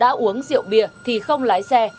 đã uống rượu bia thì không lái xe